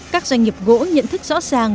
các doanh nghiệp gỗ nhận thức rõ ràng